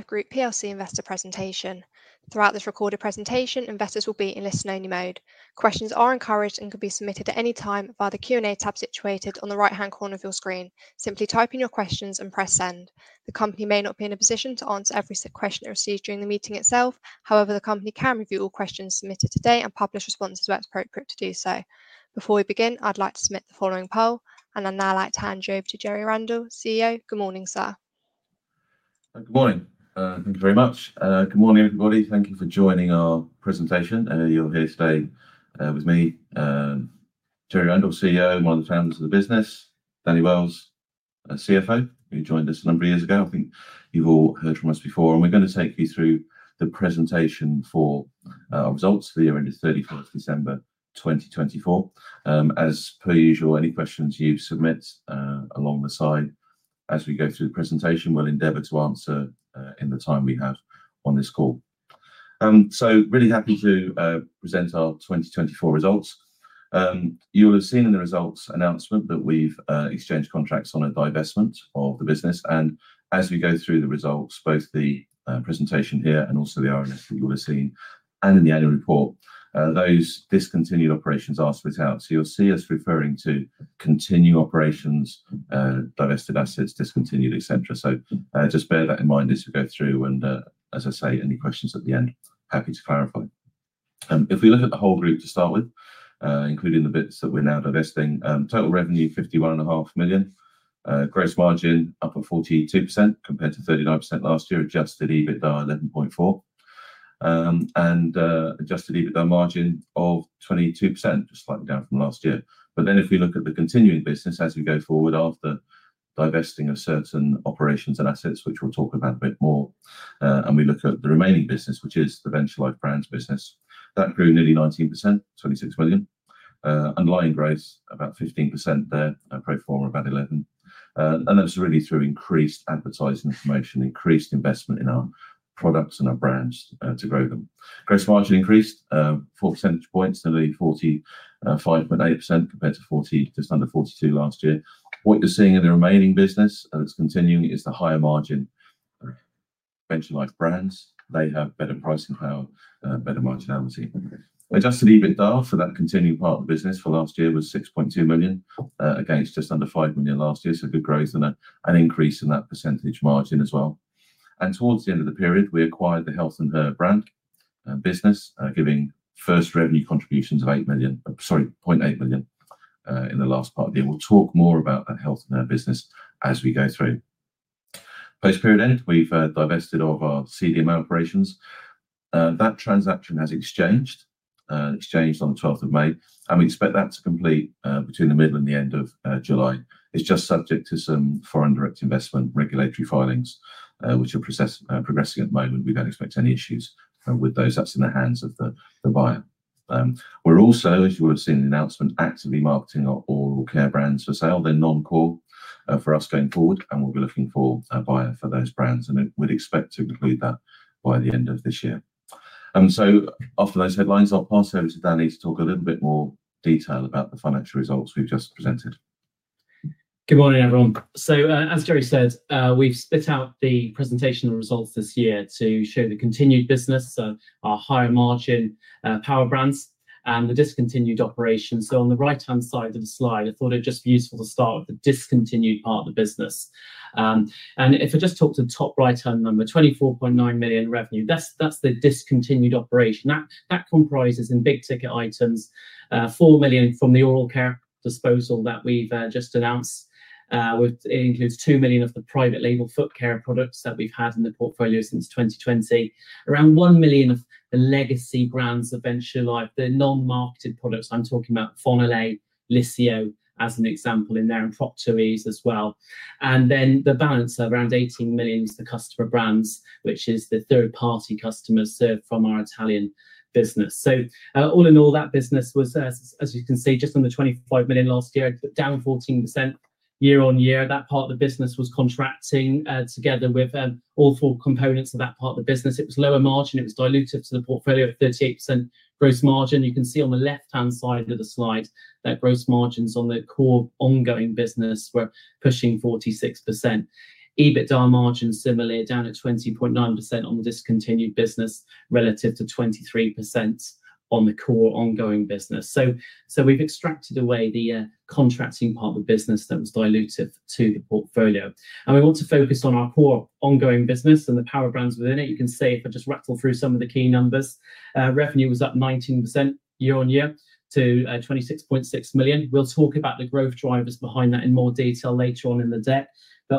plc Investor Presentation. Throughout this recorded presentation, investors will be in listen-only mode. Questions are encouraged and can be submitted at any time via the Q&A tab situated on the right-hand corner of your screen. Simply type in your questions and press send. The company may not be in a position to answer every question that is received during the meeting itself. However, the company can review all questions submitted today and publish responses where it is appropriate to do so. Before we begin, I would like to submit the following poll, and I would now like to hand you over to Jerry Randall, CEO. Good morning, sir. Good morning. Thank you very much. Good morning, everybody. Thank you for joining our presentation. You're here today with me, Jerry Randall, CEO, one of the founders of the business, Danny Wells, CFO. You joined us a number of years ago. I think you've all heard from us before. We are going to take you through the presentation for our results for year-end, 31st of December 2024. As per usual, any questions you submit along the side as we go through the presentation, we'll endeavor to answer in the time we have on this call. Really happy to present our 2024 results. You'll have seen in the results announcement that we've exchanged contracts on a divestment of the business. As we go through the results, both the presentation here and also the R&S that you'll have seen and in the annual report, those discontinued operations are split out. You'll see us referring to continued operations, divested assets, discontinued, etc. Just bear that in mind as we go through. As I say, any questions at the end, happy to clarify. If we look at the whole group to start with, including the bits that we're now divesting, total revenue, 51.5 million. Gross margin up at 42% compared to 39% last year, adjusted EBITDA 11.4 million, and adjusted EBITDA margin of 22%, just slightly down from last year. If we look at the continuing business as we go forward after divesting of certain operations and assets, which we'll talk about a bit more, and we look at the remaining business, which is the Venture Life brands business, that grew nearly 19%, 26 million. Underlying growth, about 15% there, a pro forma about 11%. That is really through increased advertising information, increased investment in our products and our brands to grow them. Gross margin increased 4 percentage points, nearly 45.8% compared to just under 42% last year. What you are seeing in the remaining business that is continuing is the higher margin. Venture Life brands, they have better pricing power, better marginality. Adjusted EBITDA for that continuing part of the business for last year was 6.2 million against just under 5 million last year. Good growth and an increase in that percentage margin as well. Towards the end of the period, we acquired the Health & Her brand business, giving first revenue contributions of 0.8 million in the last part of the year. We will talk more about that Health & Her business as we go through. Post-period end, we have divested all of our CDMO operations. That transaction has exchanged on the 12th of May, and we expect that to complete between the middle and the end of July. It's just subject to some foreign direct investment regulatory filings, which are progressing at the moment. We don't expect any issues with those. That's in the hands of the buyer. We're also, as you will have seen in the announcement, actively marketing our oral care brands for sale. They're non-core for us going forward, and we'll be looking for a buyer for those brands, and we'd expect to include that by the end of this year. After those headlines, I'll pass over to Danny to talk a little bit more detail about the financial results we've just presented. Good morning, everyone. As Jerry said, we've split out the presentation results this year to show the continued business, so our higher margin power brands and the discontinued operations. On the right-hand side of the slide, I thought it'd just be useful to start with the discontinued part of the business. If I just talk to the top right-hand number, 24.9 million revenue, that's the discontinued operation. That comprises, in big ticket items, 4 million from the oral care disposal that we've just announced. It includes 2 million of the private label foot care products that we've had in the portfolio since 2020, around 1 million of the legacy brands of Venture Life, the non-marketed products I'm talking about, Vonalei, Lissio as an example in there, and Procto-eze as well. The balance, around 18 million, is the customer brands, which is the third-party customers served from our Italian business. All in all, that business was, as you can see, just under 25 million last year, down 14% year-on-year. That part of the business was contracting together with all four components of that part of the business. It was lower margin. It was dilutive to the portfolio at 38% gross margin. You can see on the left-hand side of the slide that gross margins on the core ongoing business were pushing 46%. EBITDA margin, similarly, down at 20.9% on the discontinued business relative to 23% on the core ongoing business. We have extracted away the contracting part of the business that was dilutive to the portfolio. We want to focus on our core ongoing business and the power brands within it. You can see if I just rattle through some of the key numbers. Revenue was up 19% year-on-year to 26.6 million. We'll talk about the growth drivers behind that in more detail later on in the deck.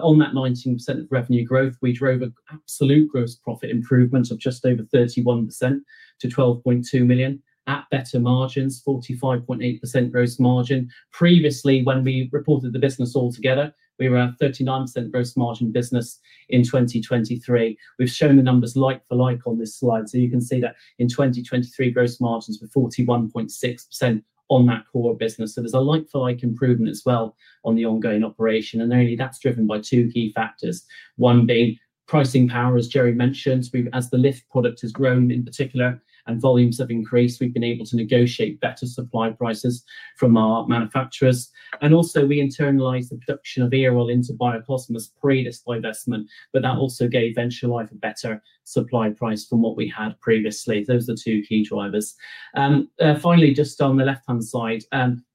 On that 19% revenue growth, we drove an absolute gross profit improvement of just over 31% to 12.2 million at better margins, 45.8% gross margin. Previously, when we reported the business altogether, we were a 39% gross margin business in 2023. We've shown the numbers like-for-like on this slide. You can see that in 2023, gross margins were 41.6% on that core business. There is a like-for-like improvement as well on the ongoing operation. Only that's driven by two key factors. One being pricing power, as Jerry mentioned. As the Lift product has grown in particular and volumes have increased, we've been able to negotiate better supply prices from our manufacturers. We also internalized the production of Earol into Biokosmes pre-divestment, but that also gave Venture Life a better supply price from what we had previously. Those are the two key drivers. Finally, just on the left-hand side,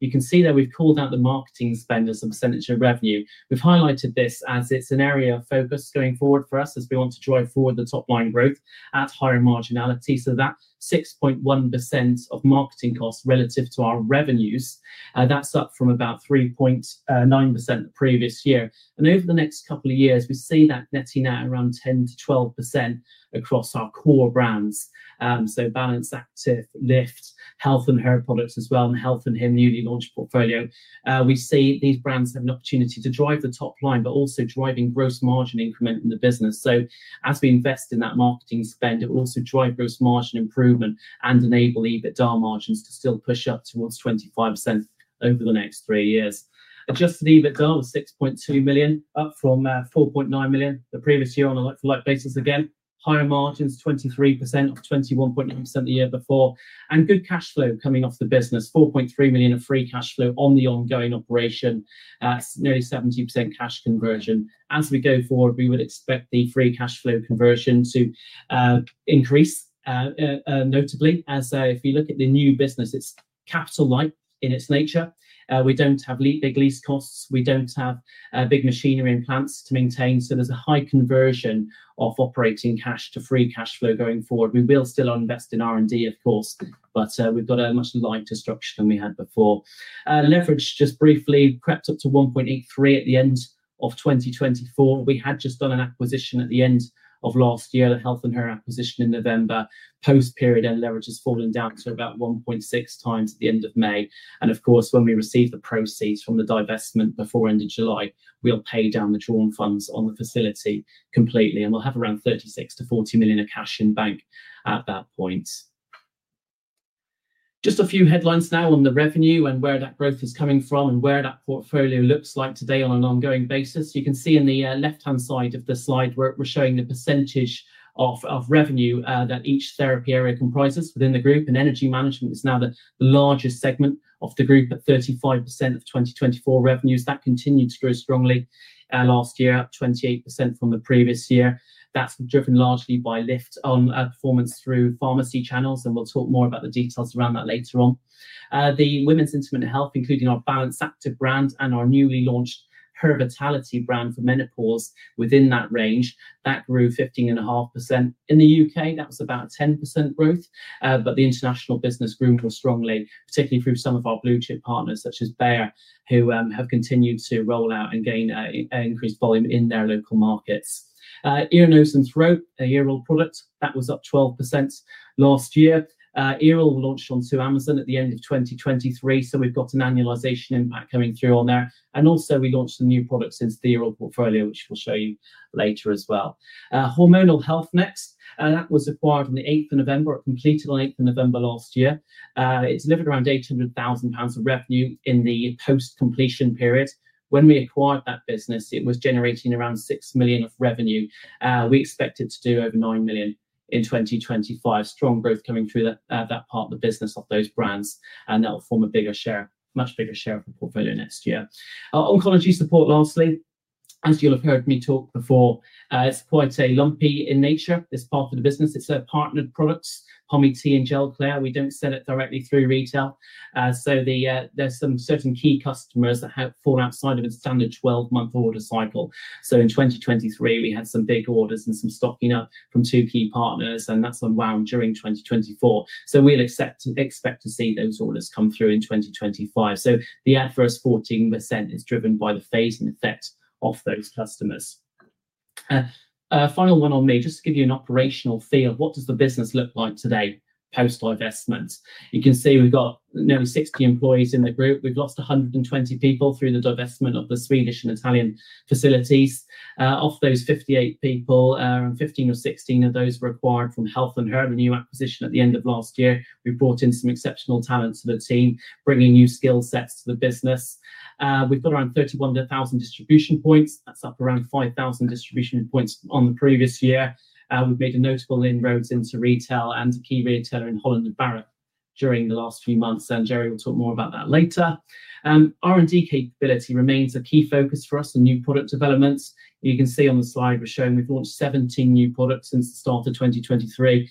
you can see that we've called out the marketing spend as a percentage of revenue. We've highlighted this as it's an area of focus going forward for us as we want to drive forward the top-line growth at higher marginality. That 6.1% of marketing costs relative to our revenues is up from about 3.9% the previous year. Over the next couple of years, we see that netting out around 10%-12% across our core brands. Balance Activ, Lift, Health & Her products as well, and Health & Him newly launched portfolio. We see these brands have an opportunity to drive the top line, but also driving gross margin increment in the business. As we invest in that marketing spend, it will also drive gross margin improvement and enable EBITDA margins to still push up towards 25% over the next three years. Adjusted EBITDA was 6.2 million, up from 4.9 million the previous year on a like-for-like basis again. Higher margins, 23% off 21.9% the year before. Good cash flow coming off the business, 4.3 million of free cash flow on the ongoing operation, nearly 70% cash conversion. As we go forward, we would expect the free cash flow conversion to increase notably. If you look at the new business, it is capital-light in its nature. We do not have big lease costs. We do not have big machinery and plants to maintain. There is a high conversion of operating cash to free cash flow going forward. We will still invest in R&D, of course, but we have a much lighter structure than we had before. Leverage, just briefly, crept up to 1.83 at the end of 2024. We had just done an acquisition at the end of last year, the Health & Her acquisition in November. Post-period end, leverage has fallen down to about 1.6 times at the end of May. When we receive the proceeds from the divestment before end of July, we will pay down the drawn funds on the facility completely. We will have around 36 million-40 million of cash in bank at that point. Just a few headlines now on the revenue and where that growth is coming from and where that portfolio looks like today on an ongoing basis. You can see in the left-hand side of the slide we are showing the percentage of revenue that each therapy area comprises within the group. Energy management is now the largest segment of the group at 35% of 2024 revenues. That continued to grow strongly last year, up 28% from the previous year. That is driven largely by Lift on performance through pharmacy channels. We will talk more about the details around that later on. The women's intimate health, including our Balance Activ brand and our newly launched Hervitality brand for menopause within that range, that grew 15.5%. In the U.K., that was about a 10% growth, but the international business grew more strongly, particularly through some of our blue chip partners such as Bayer, who have continued to roll out and gain increased volume in their local markets. Ear, Nose & Throat, a year-old product, that was up 12% last year. Earol launched onto Amazon at the end of 2023. We have got an annualisation impact coming through on there. We also launched a new product into the Earol portfolio, which we will show you later as well. Hormonal Health next that was acquired on the 8th of November, completed to like November last year. It has delivered around 800,000 pounds of revenue in the post-completion period. When we acquired that business, it was generating around 6 million of revenue. We expect it to do over 9 million in 2025. Strong growth coming through that part of the business of those brands, and that will form a bigger share, much bigger share of the portfolio next year. Oncology support, lastly. As you'll have heard me talk before, it's quite lumpy in nature. It's part of the business. It's partnered products, Pomi-T and Gelclair. We don't sell it directly through retail. There are some certain key customers that have fallen outside of a standard 12-month order cycle. In 2023, we had some big orders and some stocking up from two key partners, and that's unwound during 2024. We expect to see those orders come through in 2025. The adverse 14% is driven by the phase and effect of those customers. Final one on me, just to give you an operational feel. What does the business look like today post-divestment? You can see we've got nearly 60 employees in the group. We've lost 120 people through the divestment of the Swedish and Italian facilities. Of those 58 people, around 15 or 16 of those were acquired from Health & Her in a new acquisition at the end of last year. We brought in some exceptional talent to the team, bringing new skill sets to the business. We've got around 31,000 distribution points. That's up around 5,000 distribution points on the previous year. We've made a notable inroads into retail and a key retailer in Holland & Barrett during the last few months. Jerry will talk more about that later. R&D capability remains a key focus for us and new product developments. You can see on the slide we're showing we've launched 17 new products since the start of 2023.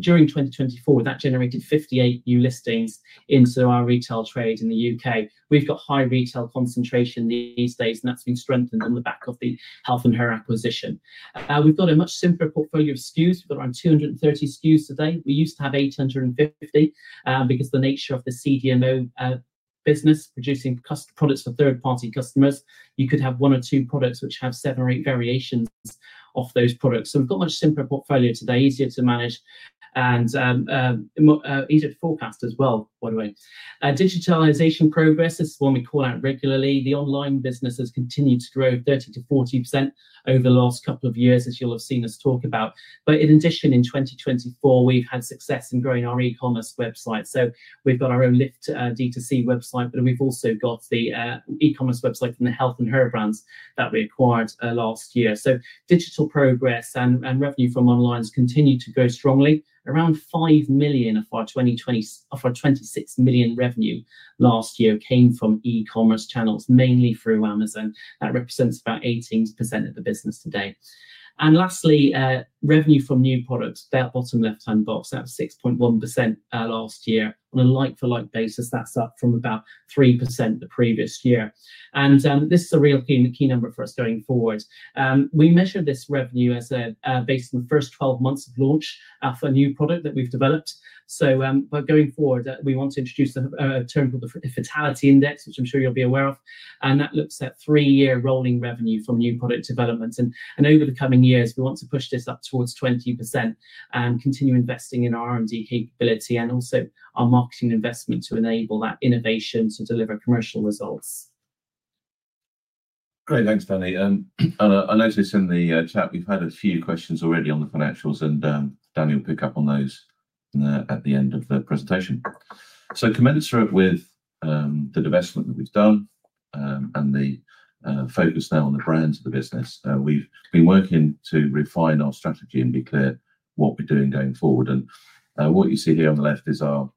During 2024, that generated 58 new listings into our retail trade in the U.K. We have high retail concentration these days, and that has been strengthened on the back of the Health & Her acquisition. We have a much simpler portfolio of SKUs. We have around 230 SKUs today. We used to have 850 because of the nature of the CDMO business, producing products for third-party customers. You could have one or two products which have seven or eight variations of those products. We have a much simpler portfolio today, easier to manage, and easier to forecast as well, by the way. Digitalisation progress is the one we call out regularly. The online business has continued to grow 30%-40% over the last couple of years, as you will have seen us talk about. In addition, in 2024, we have had success in growing our e-commerce website. We have our own Lift D2C website, but we have also got the e-commerce website from the Health & Her brands that we acquired last year. Digital progress and revenue from online has continued to grow strongly. Around 5 million of our 26 million revenue last year came from e-commerce channels, mainly through Amazon. That represents about 18% of the business today. Lastly, revenue from new products, that bottom left-hand box, that was 6.1% last year. On a like-for-like basis, that is up from about 3% the previous year. This is a real key number for us going forward. We measure this revenue based on the first 12 months of launch for a new product that we have developed. Going forward, we want to introduce a term called the Fatality Index, which I am sure you will be aware of. That looks at three-year rolling revenue from new product development. Over the coming years, we want to push this up towards 20% and continue investing in our R&D capability and also our marketing investment to enable that innovation to deliver commercial results. Great. Thanks, Danny. I noticed in the chat we've had a few questions already on the financials, and Danny will pick up on those at the end of the presentation. Commensurate with the divestment that we've done and the focus now on the brands of the business, we've been working to refine our strategy and be clear what we're doing going forward. What you see here on the left is our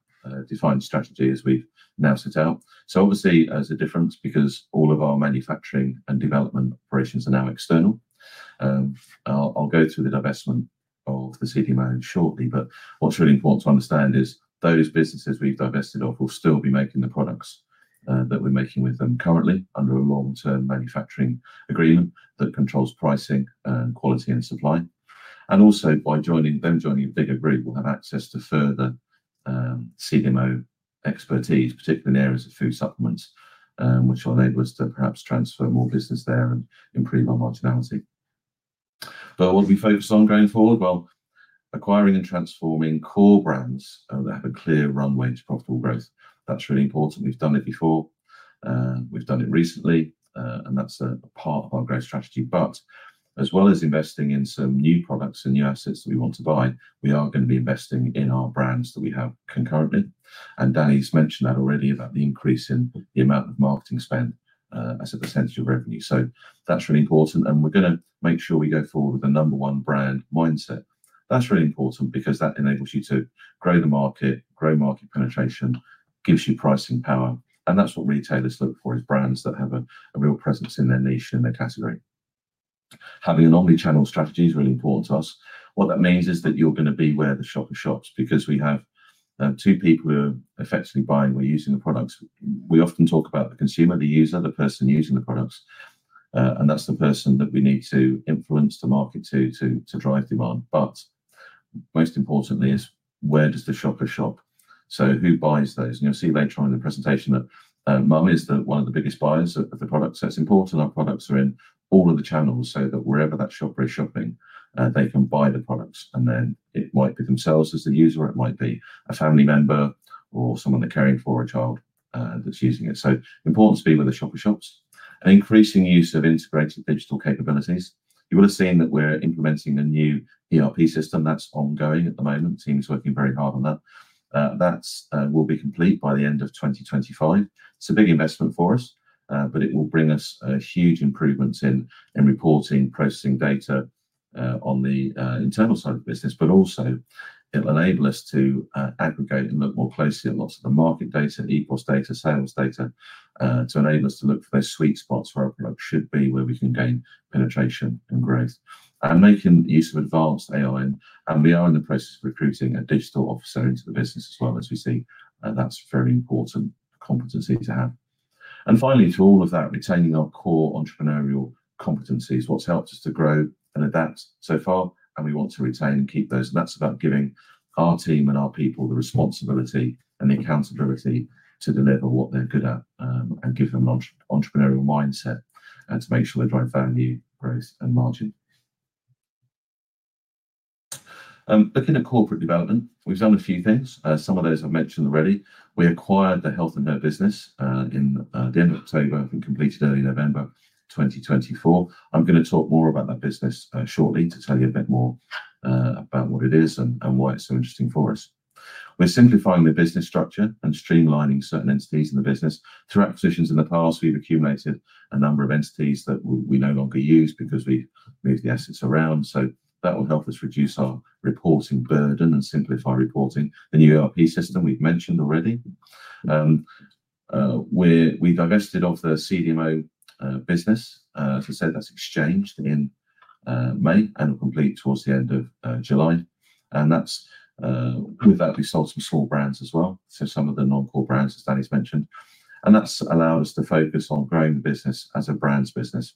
defined strategy as we've now set out. Obviously, there's a difference because all of our manufacturing and development operations are now external. I'll go through the divestment of the CDMO shortly, but what's really important to understand is those businesses we've divested of will still be making the products that we're making with them currently under a long-term manufacturing agreement that controls pricing, quality, and supply. Also, by them joining a bigger group, we'll have access to further CDMO expertise, particularly in areas of food supplements, which will enable us to perhaps transfer more business there and improve our marginality. What we focus on going forward is acquiring and transforming core brands that have a clear runway to profitable growth. That's really important. We've done it before. We've done it recently, and that's a part of our growth strategy. As well as investing in some new products and new assets that we want to buy, we are going to be investing in our brands that we have concurrently. Danny's mentioned that already about the increase in the amount of marketing spend as a percentage of revenue. That's really important. We're going to make sure we go forward with a number one brand mindset. That's really important because that enables you to grow the market, grow market penetration, gives you pricing power. That is what retailers look for, is brands that have a real presence in their niche and their category. Having an omnichannel strategy is really important to us. What that means is that you're going to be where the shopper shops because we have two people who are effectively buying or using the products. We often talk about the consumer, the user, the person using the products. That is the person that we need to influence the market to drive demand. Most importantly is where does the shopper shop? Who buys those? You will see later on in the presentation that mom is one of the biggest buyers of the products. It is important our products are in all of the channels so that wherever that shopper is shopping, they can buy the products. It might be themselves as the user, it might be a family member or someone they are caring for, a child that is using it. It is important to be where the shopper shops. An increasing use of integrated digital capabilities. You will have seen that we are implementing a new ERP system that is ongoing at the moment. The team is working very hard on that. That will be complete by the end of 2025. It's a big investment for us, but it will bring us huge improvements in reporting, processing data on the internal side of the business, but also it'll enable us to aggregate and look more closely at lots of the market data, EPOS data, sales data to enable us to look for those sweet spots where our product should be, where we can gain penetration and growth. Making use of advanced AI, and we are in the process of recruiting a digital officer into the business as well as we see. That's a very important competency to have. Finally, to all of that, retaining o ur core entrepreneurial competencies, what's helped us to grow and adapt so far, and we want to retain and keep those. That is about giving our team and our people the responsibility and the accountability to deliver what they are good at and give them an entrepreneurial mindset and to make sure they drive value, growth, and margin. Looking at corporate development, we have done a few things. Some of those I have mentioned already. We acquired the Health & Her business in the end of October and completed early November 2024. I am going to talk more about that business shortly to tell you a bit more about what it is and why it is so interesting for us. We are simplifying the business structure and streamlining certain entities in the business. Through acquisitions in the past, we have accumulated a number of entities that we no longer use because we have moved the assets around. That will help us reduce our reporting burden and simplify reporting. The new ERP system we have mentioned already. We divested of the CDMO business. As I said, that's exchanged in May and will complete towards the end of July. With that, we sold some small brands as well, some of the non-core brands, as Danny's mentioned. That has allowed us to focus on growing the business as a brands business.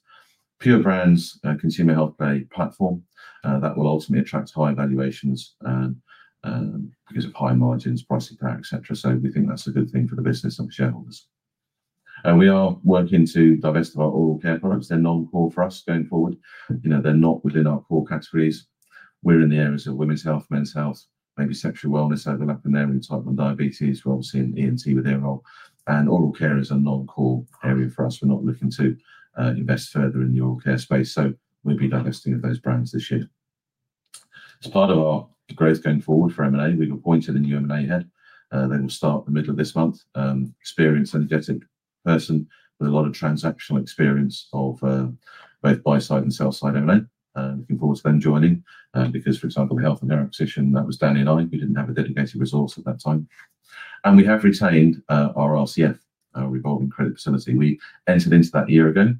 Pure Brands, a consumer healthcare platform that will ultimately attract higher valuations because of high margins, pricing power, etc. We think that's a good thing for the business and for shareholders. We are working to divest of our oral care products. They're non-core for us going forward. They're not within our core categories. We're in the areas of women's health, men's health, maybe sexual wellness overlap in there with Type 1 diabetes. We're obviously in ENT with Earol. Oral care is a non-core area for us. We're not looking to invest further in the oral care space. So we'll be divesting of those brands this year. As part of our growth going forward for M&A, we've appointed a new M&A head. They will start in the middle of this month. Experienced energetic person with a lot of transactional experience of both buy-side and sell-side M&A. Looking forward to them joining because, for example, the Health & Her acquisition, that was Danny and I. We didn't have a dedicated resource at that time. And we have retained our RCF, our revolving credit facility. We entered into that a year ago.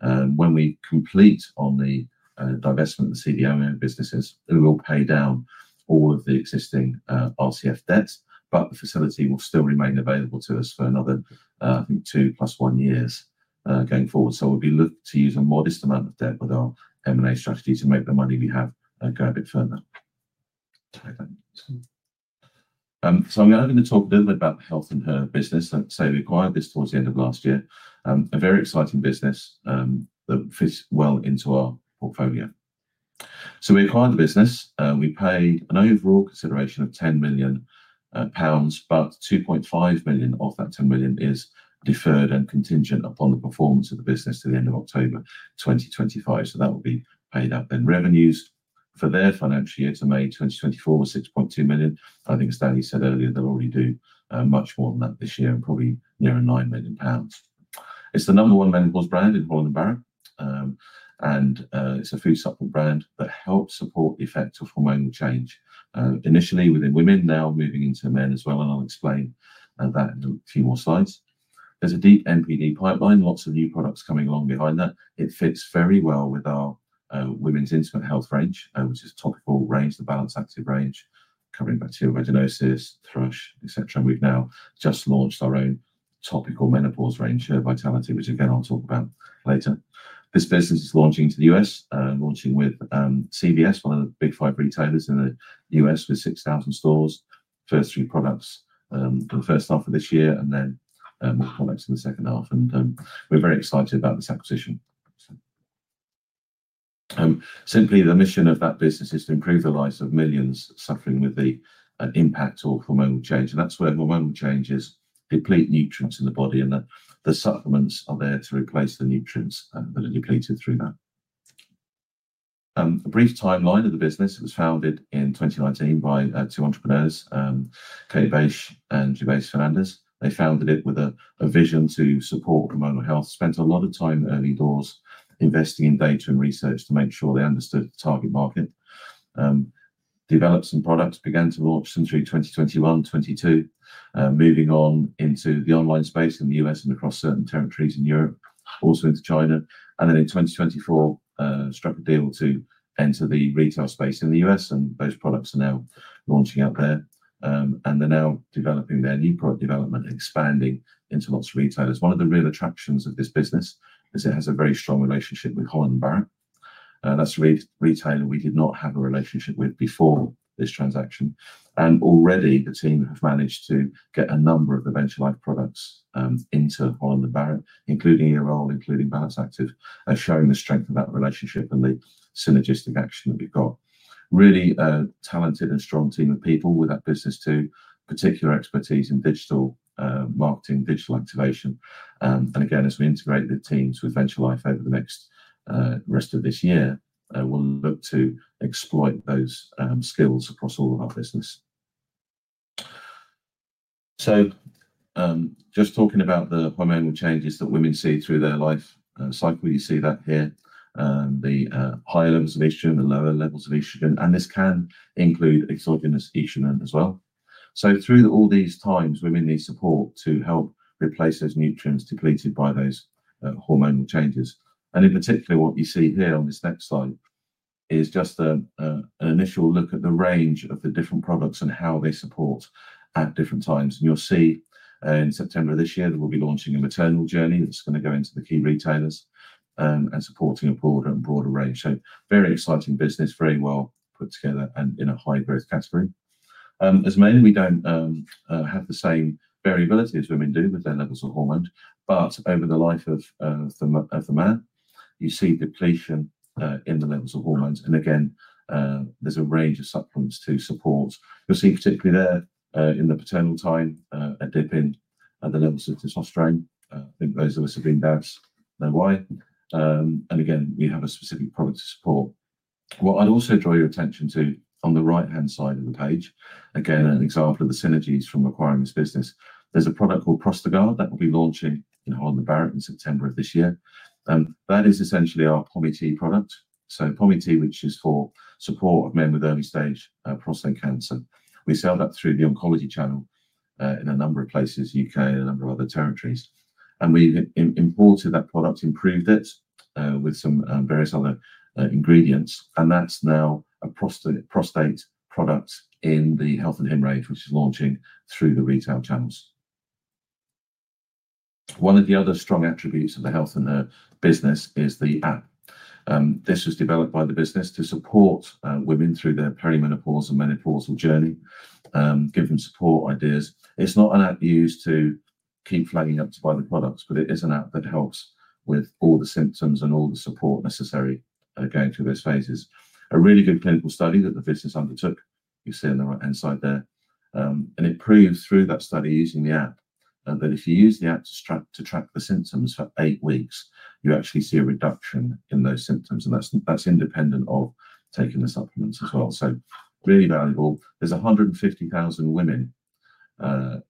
When we complete on the divestment of the CDMO businesses, we will pay down all of the existing RCF debts, but the facility will still remain available to us for another, I think, two plus one years going forward. We'll be looking to use a modest amount of debt with our M&A strategy to make the money we have go a bit further. I'm going to talk a little bit about the Health & Her business. We acquired this towards the end of last year. A very exciting business that fits well into our portfolio. We acquired the business. We paid an overall consideration of 10 million pounds, but 2.5 million of that 10 million is deferred and contingent upon the performance of the business to the end of October 2025. That will be paid up. Revenues for their financial year to May 2024 were 6.2 million. I think as Danny said earlier, they'll already do much more than that this year and probably nearing 9 million pounds. It's the number one menopause brand in Holland & Barrett. It is a food supplement brand that helps support the effect of hormonal change. Initially within women, now moving into men as well. I will explain that in a few more slides. There is a deep NPD pipeline, lots of new products coming along behind that. It fits very well with our women's intimate health range, which is a topical range, the Balance Activ range covering bacterial vaginosis, thrush, etc. We have now just launched our own topical menopause range, Hervitality, which again I will talk about later. This business is launching to the U.S., launching with CVS, one of the big five retailers in the U.S. with 6,000 stores. First three products for the first half of this year and then more products in the second half. We are very excited about this acquisition. Simply, the mission of that business is to improve the lives of millions suffering with the impact of hormonal change. That is where hormonal change is depleting nutrients in the body and the supplements are there to replace the nutrients that are depleted through that. A brief timeline of the business. It was founded in 2019 by two entrepreneurs, Kate Bache and Gervase Fernandes. They founded it with a vision to support hormonal health. Spent a lot of time early doors investing in data and research to make sure they understood the target market. Developed some products, began to launch some through 2021, 2022, moving on into the online space in the U.S. and across certain territories in Europe, also into China. In 2024, struck a deal to enter the retail space in the U.S. and those products are now launching out there. They are now developing their new product development and expanding into lots of retailers. One of the real attractions of this business is it has a very strong relationship with Holland & Barrett. That is a retailer we did not have a relationship with before this transaction. Already the team have managed to get a number of the Venture Life products into Holland & Barrett, including Earol, including Balance Activ, and showing the strength of that relationship and the synergistic action that we have got. Really talented and strong team of people with that business too, particular expertise in digital marketing, digital activation. Again, as we integrate the teams with Venture Life over the rest of this year, we will look to exploit those skills across all of our business. Just talking about the hormonal changes that women see through their life cycle, you see that here, the higher levels of estrogen, the lower levels of estrogen. This can include exogenous estrogen as well. Through all these times, women need support to help replace those nutrients depleted by those hormonal changes. In particular, what you see here on this next slide is just an initial look at the range of the different products and how they support at different times. You'll see in September of this year, we'll be launching a maternal journey that's going to go into the key retailers and supporting a broader and broader range. Very exciting business, very well put together and in a high growth category. As men, we don't have the same variability as women do with their levels of hormone. Over the life of the man, you see depletion in the levels of hormones. Again, there's a range of supplements to support. You'll see particularly there in the paternal time, a dip in the levels of testosterone. I think those of us who have been dads know why. Again, we have a specific product to support. What I'd also draw your attention to on the right-hand side of the page, again, an example of the synergies from acquiring this business. There's a product called Prostagard that will be launching in Holland & Barrett in September of this year. That is essentially our Pomi-T product. So Pomi-T, which is for support of men with early stage prostate cancer. We sell that through the oncology channel in a number of places, U.K. and a number of other territories. We've imported that product, improved it with some various other ingredients. That's now a prostate product in the Health & Him range, which is launching through the retail channels. One of the other strong attributes of the Health & Her business is the app. This was developed by the business to support women through their perimenopause and menopausal journey, give them support ideas. It's not an app used to keep flagging up to buy the products, but it is an app that helps with all the symptoms and all the support necessary going through those phases. A really good clinical study that the business undertook, you see on the right-hand side there. It proved through that study using the app that if you use the app to track the symptoms for eight weeks, you actually see a reduction in those symptoms. That's independent of taking the supplements as well. Really valuable. are 150,000 women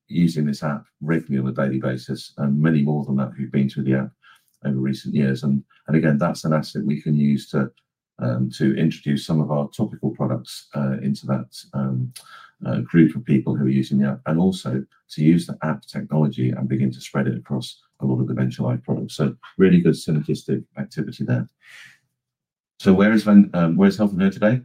using this app regularly on a daily basis and many more than that who have been through the app over recent years. That is an asset we can use to introduce some of our topical products into that group of people who are using the app and also to use the app technology and begin to spread it across a lot of the Venture Life products. Really good synergistic activity there. Where is Health & Her today?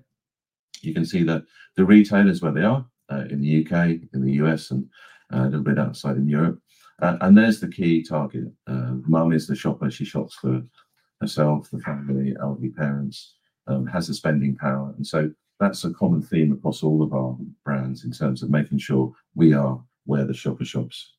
You can see the retailers where they are in the U.K., in the U.S., and a little bit outside in Europe. There is the key target. Mom is the shopper. She shops for herself, the family, elderly parents, has the spending power. That is a common theme across all of our brands in terms of making sure we are where the shopper shops.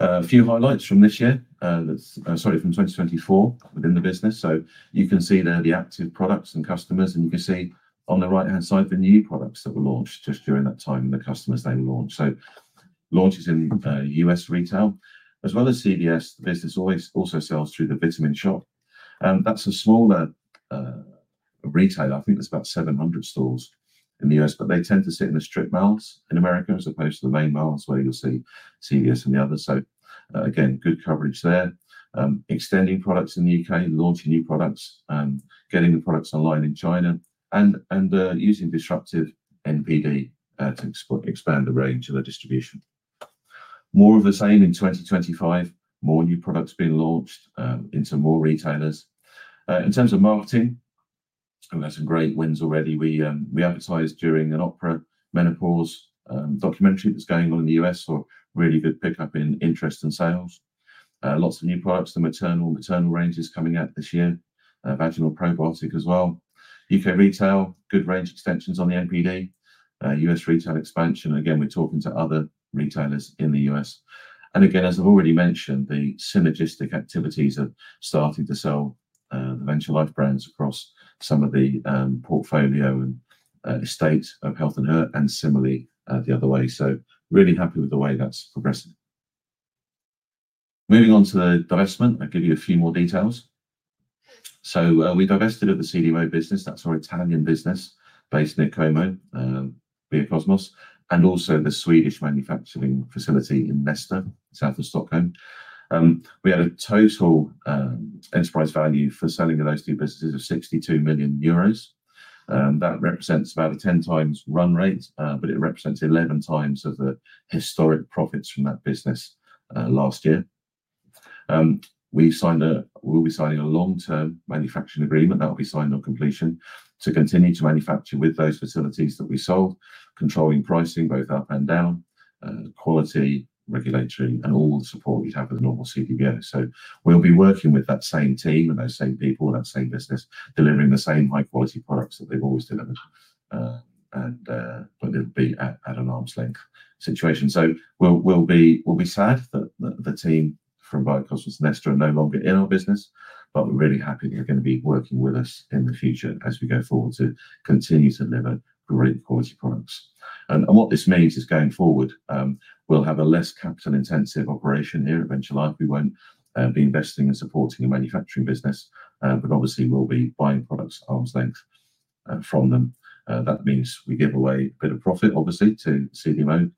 A few highlights from this year, sorry, from 2024 within the business. You can see there the active products and customers. You can see on the right-hand side the new products that were launched just during that time and the customers they were launched. Launches in U.S. retail as well as CVS. The business also sells through the Vitamin Shoppe. That is a smaller retailer. I think there are about 700 stores in the U.S., but they tend to sit in the strip malls in America as opposed to the main malls where you will see CVS and the others. Again, good coverage there. Extending products in the U.K., launching new products, getting the products online in China and using disruptive NPD to expand the range of the distribution. More of the same in 2025, more new products being launched into more retailers. In terms of marketing, we've had some great wins already. We advertised during an Oprah menopause documentary that's going on in the U.S. for really good pickup in interest and sales. Lots of new products, the maternal range is coming out this year, vaginal probiotic as well. U.K. retail, good range extensions on the NPD, U.S. retail expansion. Again, we're talking to other retailers in the U.S. As I've already mentioned, the synergistic activities of starting to sell the Venture Life brands across some of the portfolio and estate of Health & Her and similarly the other way. Really happy with the way that's progressing. Moving on to the divestment, I'll give you a few more details. We divested the CDMO business. That's our Italian business based near Como, Biokosmes, and also the Swedish manufacturing facility in Gnesta, south of Stockholm. We had a total enterprise value for selling of those two businesses of 62 million euros. That represents about a 10 times run rate, but it represents 11 times of the historic profits from that business last year. We'll be signing a long-term manufacturing agreement that will be signed on completion to continue to manufacture with those facilities that we sold, controlling pricing both up and down, quality, regulatory, and all the support we'd have with a normal CDMO. We'll be working with that same team and those same people, that same business, delivering the same high-quality products that they've always delivered. It'll be at an arm's length situation. We'll be sad that the team from Biokosmes and Gnesta are no longer in our business, but we're really happy they're going to be working with us in the future as we go forward to continue to deliver great quality products. What this means is going forward, we'll have a less capital-intensive operation here at Venture Life. We won't be investing and supporting a manufacturing business, but obviously we'll be buying products arm's length from them. That means we give away a bit of profit, obviously, to CDMO.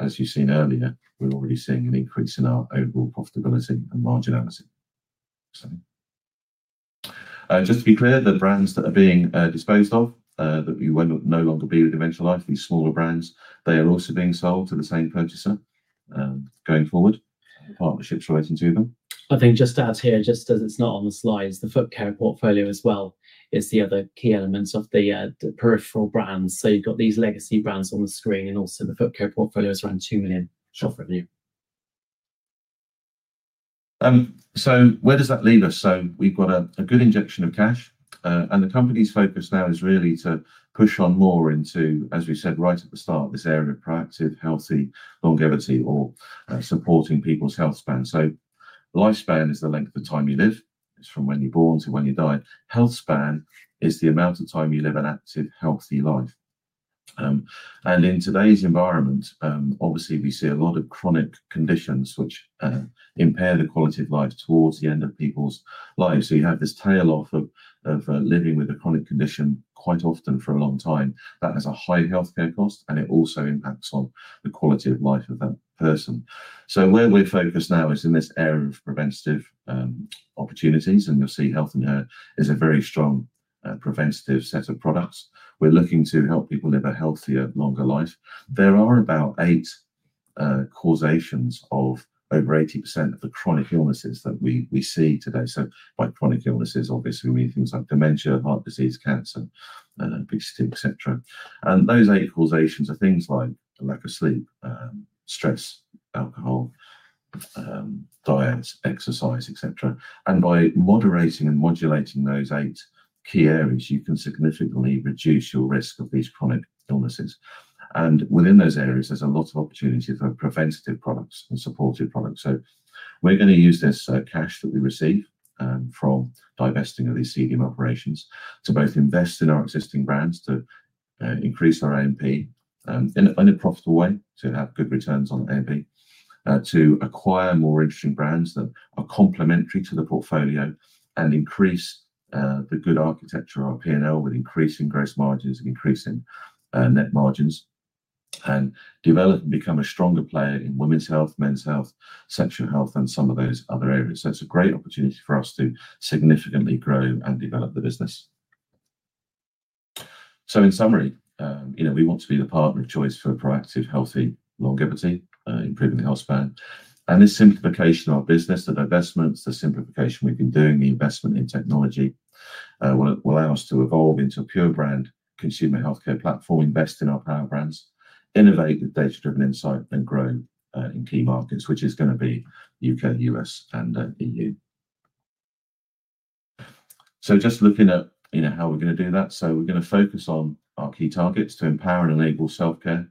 As you've seen earlier, we're already seeing an increase in our overall profitability and marginality. Just to be clear, the brands that are being disposed of, that we will no longer be with Venture Life, these smaller brands, they are also being sold to the same purchaser going forward. Partnerships relating to them. I think just to add here, just as it's not on the slides, the footcare portfolio as well is the other key element of the peripheral brands. So you've got these legacy brands on the screen and also the footcare portfolio is around 2 million shop review. Where does that leave us? We've got a good injection of cash. The company's focus now is really to push on more into, as we said right at the start, this area of proactive, healthy longevity or supporting people's health span. Lifespan is the length of time you live. It's from when you're born to when you die. Health span is the amount of time you live an active, healthy life. In today's environment, obviously we see a lot of chronic conditions which impair the quality of life towards the end of people's lives. You have this tail off of living with a chronic condition quite often for a long time. That has a high healthcare cost and it also impacts on the quality of life of that person. Where we're focused now is in this area of preventative opportunities. You'll see Health & Her is a very strong preventative set of products. We're looking to help people live a healthier, longer life. There are about eight causations of over 80% of the chronic illnesses that we see today. By chronic illnesses, obviously we mean things like dementia, heart disease, cancer, obesity, etc. Those eight causations are things like lack of sleep, stress, alcohol, diet, exercise, etc. By moderating and modulating those eight key areas, you can significantly reduce your risk of these chronic illnesses. Within those areas, there's a lot of opportunity for preventative products and supportive products. We are going to use this cash that we receive from divesting of these CDMO operations to both invest in our existing brands, to increase our A&P in a profitable way, to have good returns on A&P, to acquire more interesting brands that are complementary to the portfolio and increase the good architecture of our P&L with increasing gross margins and increasing net margins and develop and become a stronger player in women's health, men's health, sexual health, and some of those other areas. It is a great opportunity for us to significantly grow and develop the business. In summary, we want to be the partner of choice for proactive, healthy longevity, improving the health span. This simplification of our business, the divestments, the simplification we've been doing, the investment in technology will allow us to evolve into a pure brand consumer healthcare platform, invest in our power brands, innovate with data-driven insight, and grow in key markets, which is going to be U.K., U.S., and EU. Just looking at how we're going to do that. We're going to focus on our key targets to empower and enable self-care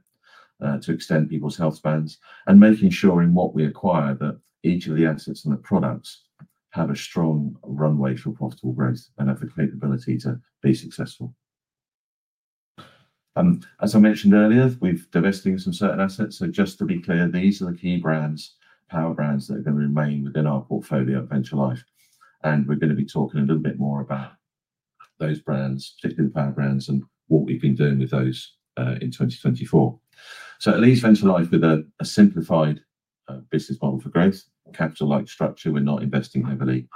to extend people's health spans and making sure in what we acquire that each of the assets and the products have a strong runway for profitable growth and have the capability to be successful. As I mentioned earlier, we've divested in some certain assets. Just to be clear, these are the key brands, power brands that are going to remain within our portfolio at Venture Life. We're going to be talking a little bit more about those brands, particularly the power brands, and what we've been doing with those in 2024. At Venture Life, with a simplified business model for growth, capital-light structure, we're not investing heavily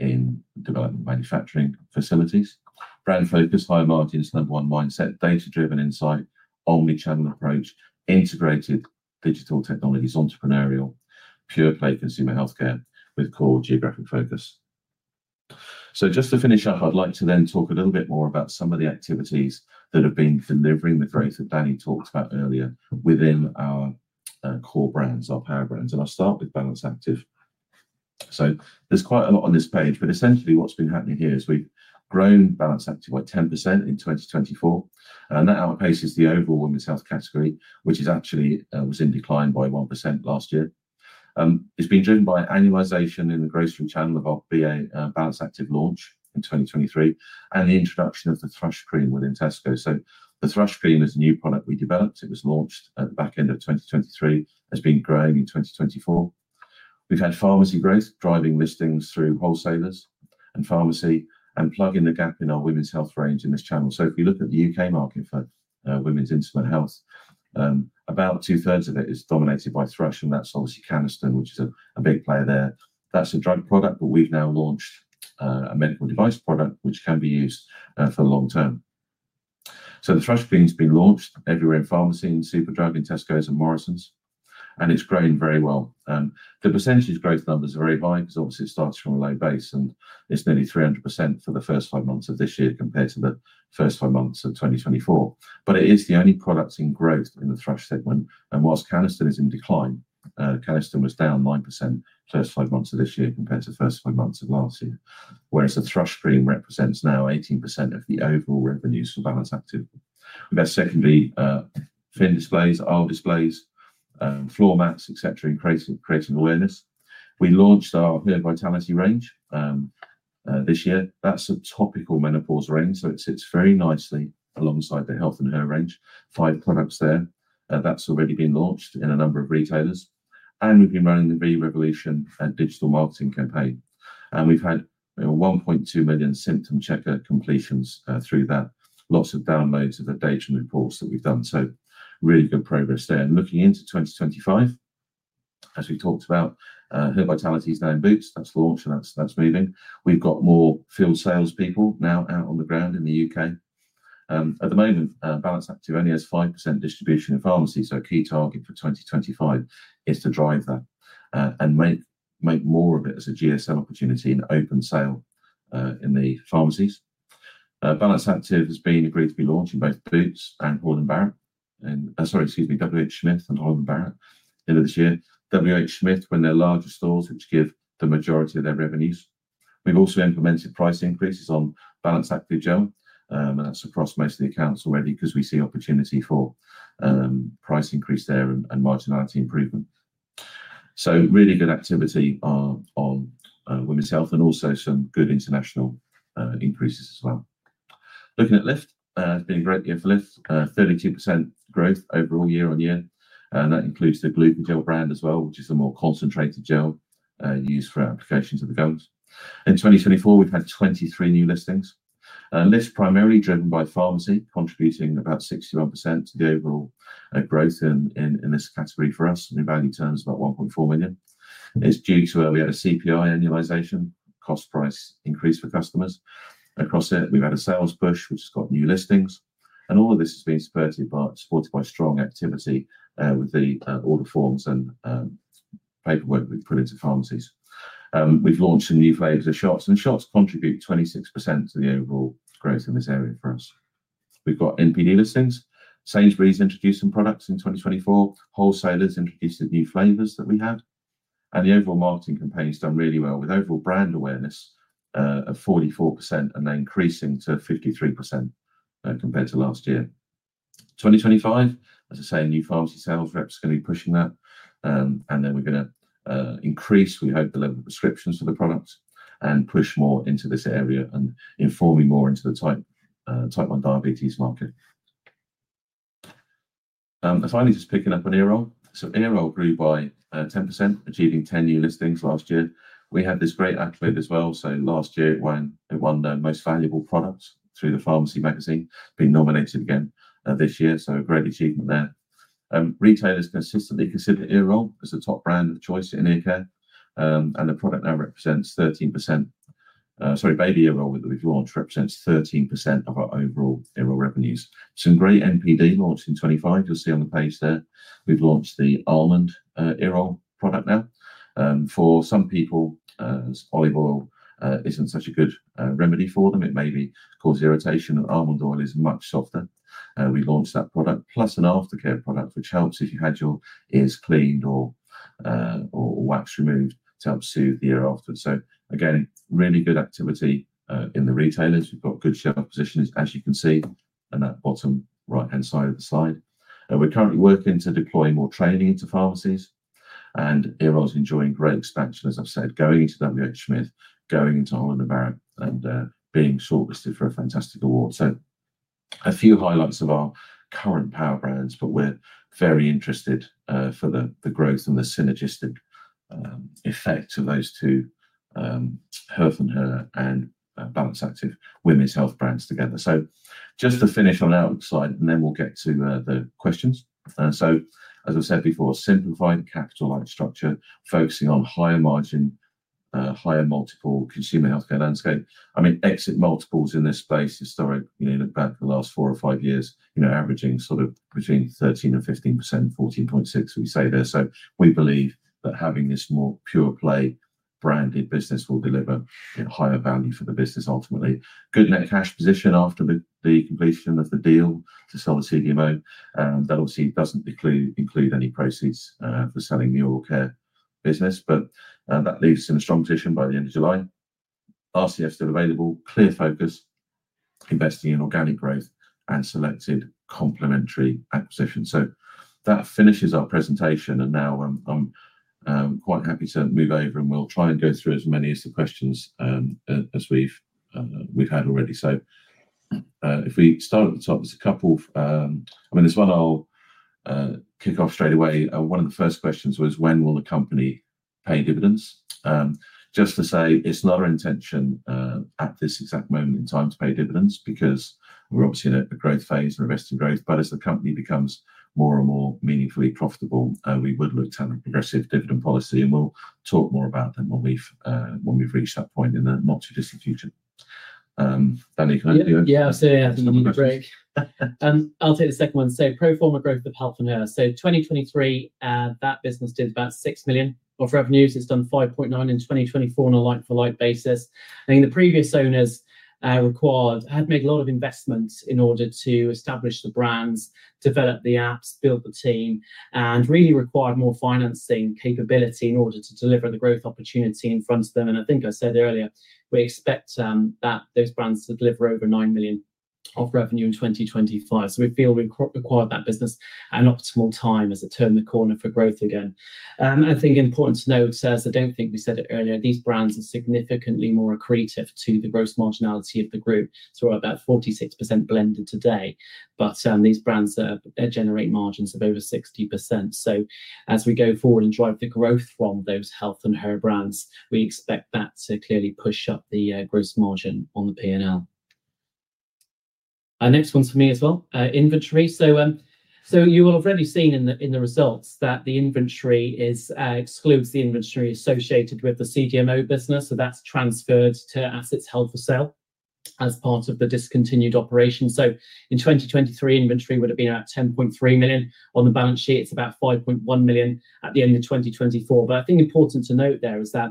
in development manufacturing facilities. Brand focus, high margins, number one mindset, data-driven insight, omnichannel approach, integrated digital technologies, entrepreneurial, pure play consumer healthcare with core geographic focus. Just to finish up, I'd like to then talk a little bit more about some of the activities that have been delivering the growth that Danny talked about earlier within our core brands, our power brands. I'll start with Balance Activ. There's quite a lot on this page, but essentially what's been happening here is we've grown Balance Activ by 10% in 2024. That outpaces the overall women's health category, which actually was in decline by 1% last year. It's been driven by annualization in the grocery channel of our Balance Activ launch in 2023 and the introduction of the Thrush cream with Tesco. The thrush cream is a new product we developed. It was launched at the back end of 2023. It's been growing in 2024. We've had pharmacy growth, driving listings through wholesalers and pharmacy and plugging the gap in our women's health range in this channel. If we look at the U.K. market for women's intimate health, about two-thirds of it is dominated by thrush. That's obviously Canesten, which is a big player there. That's a drug product, but we've now launched a medical device product which can be used for the long term. The thrush cream has been launched everywhere in pharmacy, in Superdrug, in Tesco, and Morrisons. It is growing very well. The percentage growth numbers are very high because obviously it starts from a low base and it is nearly 300% for the first five months of this year compared to the first five months of 2023. It is the only product in growth in the thrush segment. Whilst Canesten is in decline, Canesten was down 9% first five months of this year compared to the first five months of last year, whereas the thrush cream represents now 18% of the overall revenues for Balance Activ. We have had secondary fin displays, aisle displays, floor mats, etc., increasing awareness. We launched our Hervitality range this year. That is a topical menopause range. It sits very nicely alongside the Health & Her range, five products there. That's already been launched in a number of retailers. We've been running the Re-Revolution digital marketing campaign. We've had 1.2 million symptom checker completions through that. Lots of downloads of the data and reports that we've done. Really good progress there. Looking into 2025, as we talked about, Hervitality is now in Boots. That's launched and that's moving. We've got more field salespeople now out on the ground in the U.K. At the moment, Balance Activ only has 5% distribution in pharmacy. A key target for 2025 is to drive that and make more of it as a GSM opportunity and open sale in the pharmacies. Balance Activ has been agreed to be launching both Boots and Holland & Barrett—sorry, excuse me, WH Smith and Holland & Barrett—into this year. WH Smith, when they're larger stores which give the majority of their revenues. We've also implemented price increases on Balance Activ Gel. That's across most of the accounts already because we see opportunity for price increase there and marginality improvement. Really good activity on women's health and also some good international increases as well. Looking at Lift, it's been a great year for Lift, 32% growth overall year-on-year. That includes the Glucogel brand as well, which is a more concentrated gel used for applications of the gums. In 2024, we've had 23 new listings. Lift, primarily driven by pharmacy, contributing about 61% to the overall growth in this category for us. In value terms, about 1.4 million. It's due to where we had a CPI annualization, cost-price increase for customers. Across it, we've had a sales push, which has got new listings. All of this has been supported by strong activity with all the forms and paperwork we have put into pharmacies. We have launched some new flavors of shots. The shots contribute 26% to the overall growth in this area for us. We have NPD listings. Sainsbury's introduced some products in 2024. Wholesalers introduced new flavors that we had. The overall marketing campaign has done really well with overall brand awareness of 44% and now increasing to 53% compared to last year. In 2025, as I say, new pharmacy sales reps are going to be pushing that. We are going to increase, we hope, the level of prescriptions for the products and push more into this area and informing more into the type 1 diabetes market. Finally, just picking up on Earol. Earol grew by 10%, achieving 10 new listings last year. We had this great accolade as well. Last year, it won the most valuable products through the Pharmacy Magazine, being nominated again this year. A great achievement there. Retailers consistently consider Earol as the top brand of choice in earcare. The product now represents 13%. Sorry, Baby Earol that we've launched represents 13% of our overall Earol revenues. Some great NPD launched in 2025. You'll see on the page there. We've launched the Almond Earol product now. For some people, olive oil isn't such a good remedy for them. It maybe causes irritation. Almond oil is much softer. We launched that product, plus an aftercare product, which helps if you had your ears cleaned or wax removed to help soothe the ear afterwards. Again, really good activity in the retailers. We've got good shelf positions, as you can see in that bottom right-hand side of the slide. We're currently working to deploy more training into pharmacies. Earol is enjoying great expansion, as I've said, going into WH Smith, going into Holland & Barrett, and being shortlisted for a fantastic award. A few highlights of our current power brands, but we're very interested for the growth and the synergistic effect of those two Health & Her and Balance Activ women's health brands together. Just to finish on that slide, and then we'll get to the questions. As I said before, simplified capital-light structure, focusing on higher margin, higher multiple consumer healthcare landscape. I mean, exit multiples in this space, historically, look back the last four or five years, averaging sort of between 13%-15%, 14.6% we say there. We believe that having this more pure play branded business will deliver higher value for the business ultimately. Good net cash position after the completion of the deal to sell the CDMO. That obviously does not include any proceeds for selling the oral care business, but that leaves us in a strong position by the end of July. RCF still available, clear focus, investing in organic growth and selected complementary acquisition. That finishes our presentation. Now I am quite happy to move over and we will try and go through as many of the questions as we have had already. If we start at the top, there is a couple of, I mean, there is one I will kick off straight away. One of the first questions was, when will the company pay dividends? Just to say, it is not our intention at this exact moment in time to pay dividends because we are obviously in a growth phase and investing growth. As the company becomes more and more meaningfully profitable, we would look to have a progressive dividend policy. We will talk more about them when we have reached that point in the not too distant future. Danny, can I do it? Yeah, I will say it after the break. I will take the second one. Pro forma growth of Health & Her. In 2023, that business did about 6 million of revenues. It has done 5.9 million in 2024 on a like-for-like basis. I think the previous owners had made a lot of investments in order to establish the brands, develop the apps, build the team, and really required more financing capability in order to deliver the growth opportunity in front of them. I think I said earlier, we expect those brands to deliver over 9 million of revenue in 2025. We feel we required that business at an optimal time as it turned the corner for growth again. I think important to note is, I do not think we said it earlier, these brands are significantly more accretive to the gross marginality of the group. We are about 46% blended today. These brands generate margins of over 60%. As we go forward and drive the growth from those Health & Her brands, we expect that to clearly push up the gross margin on the P&L. Next one for me as well, inventory. You will have already seen in the results that the inventory excludes the inventory associated with the CDMO business. That is transferred to assets held for sale as part of the discontinued operation. In 2023, inventory would have been about 10.3 million. On the balance sheet, it's about 5.1 million at the end of 2024. I think important to note there is that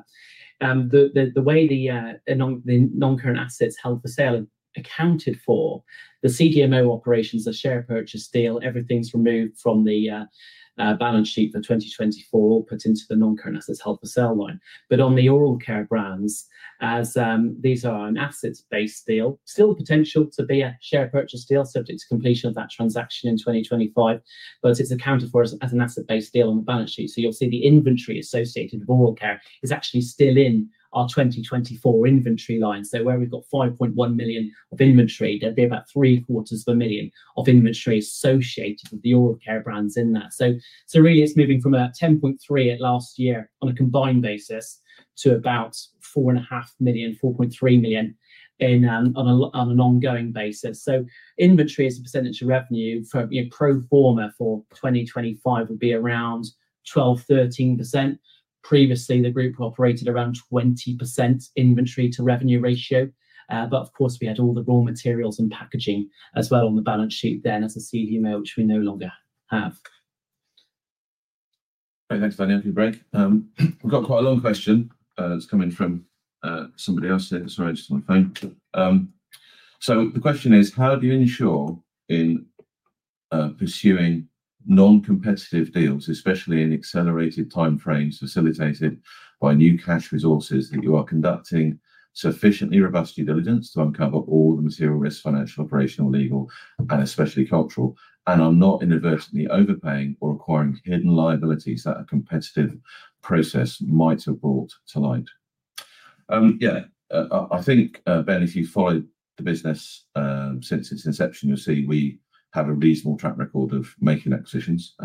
the way the non-current assets held for sale accounted for the CDMO operations, the share purchase deal, everything's removed from the balance sheet for 2024, all put into the non-current assets held for sale line. On the oral care brands, as these are an asset-based deal, still the potential to be a share purchase deal, subject to completion of that transaction in 2025. It's accounted for as an asset-based deal on the balance sheet. You'll see the inventory associated with oral care is actually still in our 2024 inventory line. Where we've got 5.1 million of inventory, there'd be about 750,000 of inventory associated with the oral care brands in that. Really, it's moving from about 10.3 million last year on a combined basis to about 4.5 million-4.3 million on an ongoing basis. Inventory as a percentage of revenue pro forma for 2025 would be around 12%-13%. Previously, the group operated around a 20% inventory to revenue ratio. Of course, we had all the raw materials and packaging as well on the balance sheet then as a CDMO, which we no longer have. Thanks for that break. We've got quite a long question. It's coming from somebody else here. Sorry, I just got my phone. The question is, how do you ensure in pursuing non-competitive deals, especially in accelerated timeframes facilitated by new cash resources, that you are conducting sufficiently robust due diligence to uncover all the material risk, financial, operational, legal, and especially cultural, and are not inadvertently overpaying or acquiring hidden liabilities that a competitive process might have brought to light? Yeah, I think, Ben, if you follow the business since its inception, you'll see we have a reasonable track record of making acquisitions,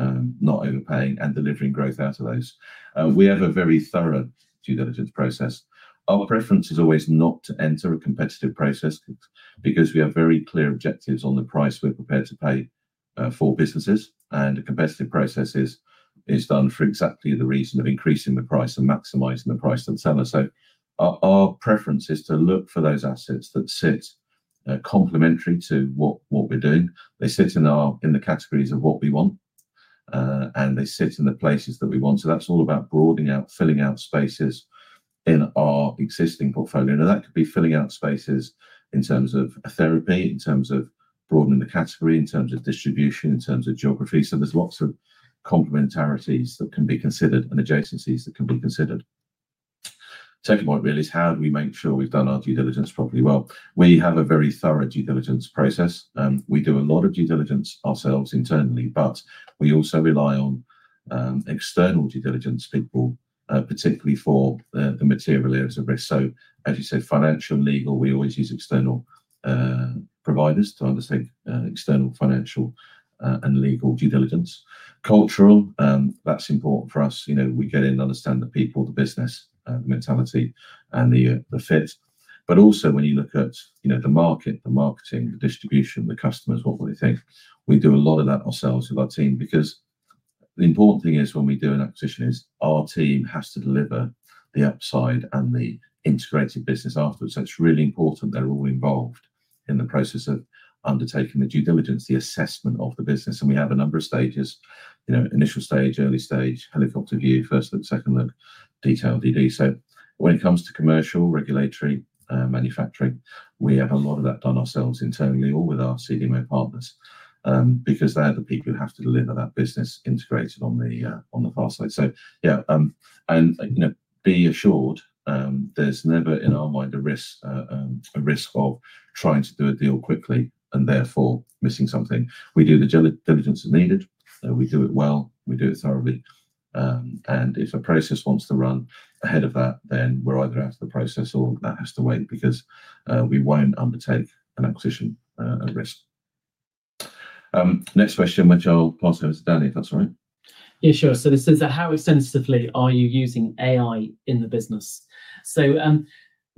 not overpaying and delivering growth out of those. We have a very thorough due diligence process. Our preference is always not to enter a competitive process because we have very clear objectives on the price we're prepared to pay for businesses. A competitive process is done for exactly the reason of increasing the price and maximizing the price themselves. Our preference is to look for those assets that sit complementary to what we're doing. They sit in the categories of what we want, and they sit in the places that we want. That is all about broadening out, filling out spaces in our existing portfolio. That could be filling out spaces in terms of therapy, in terms of broadening the category, in terms of distribution, in terms of geography. There are lots of complementarities that can be considered and adjacencies that can be considered. The second point really is how do we make sure we've done our due diligence properly? We have a very thorough due diligence process. We do a lot of due diligence ourselves internally, but we also rely on external due diligence people, particularly for the material areas of risk. As you said, financial, legal, we always use external providers to undertake external financial and legal due diligence. Cultural, that's important for us. We get in to understand the people, the business, the mentality, and the fit. Also, when you look at the market, the marketing, the distribution, the customers, what will they think? We do a lot of that ourselves with our team because the important thing is when we do an acquisition is our team has to deliver the upside and the integrated business afterwards. It is really important they're all involved in the process of undertaking the due diligence, the assessment of the business. We have a number of stages, initial stage, early stage, helicopter view, first look, second look, detailed DD. When it comes to commercial regulatory manufacturing, we have a lot of that done ourselves internally, all with our CDMO partners because they're the people who have to deliver that business integrated on the far side. Yeah, and be assured there's never in our mind a risk of trying to do a deal quickly and therefore missing something. We do the diligence as needed. We do it well. We do it thoroughly. If a process wants to run ahead of that, then we're either out of the process or that has to wait because we won't undertake an acquisition risk. Next question, which I'll pass over to Danny, if that's all right. Yeah, sure. This is how extensively are you using AI in the business?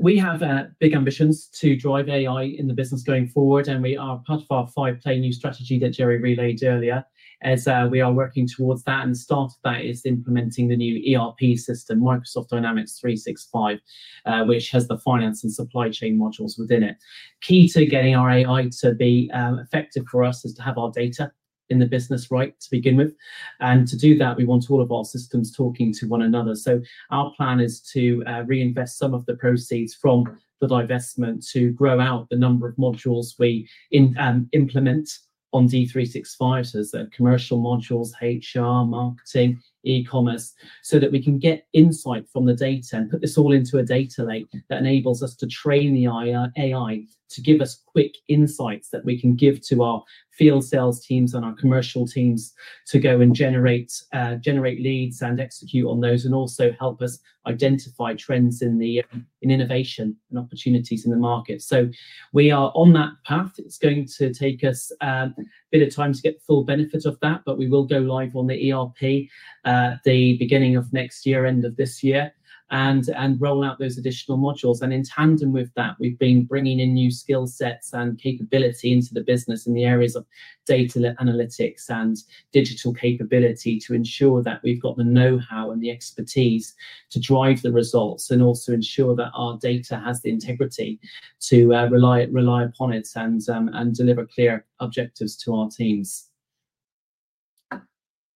We have big ambitions to drive AI in the business going forward. We are part of our five-play new strategy that Jerry relayed earlier as we are working towards that. The start of that is implementing the new ERP system, Microsoft Dynamics 365, which has the finance and supply chain modules within it. Key to getting our AI to be effective for us is to have our data in the business right to begin with. To do that, we want all of our systems talking to one another. Our plan is to reinvest some of the proceeds from the divestment to grow out the number of modules we implement on D365, so commercial modules, HR, marketing, e-commerce, so that we can get insight from the data and put this all into a data lake that enables us to train the AI to give us quick insights that we can give to our field sales teams and our commercial teams to go and generate leads and execute on those and also help us identify trends in innovation and opportunities in the market. We are on that path. It's going to take us a bit of time to get the full benefit of that, but we will go live on the ERP at the beginning of next year, end of this year, and roll out those additional modules. In tandem with that, we've been bringing in new skill sets and capability into the business in the areas of data analytics and digital capability to ensure that we've got the know-how and the expertise to drive the results and also ensure that our data has the integrity to rely upon it and deliver clear objectives to our teams.